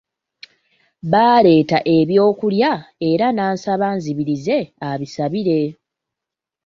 Baaleeta ebyokulya era n'ansaba nzibirize abisabire.